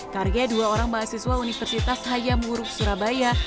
karya dua orang mahasiswa universitas hayam huruf surabaya